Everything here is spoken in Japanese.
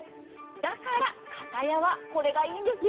だから肩やわ、これがいいんですよ。